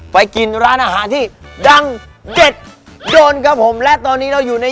ไปกินร้านอาหารที่ดังเด็ดโดนครับผมและตอนนี้เราอยู่ใน